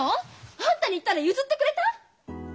あんたに言ったら譲ってくれた？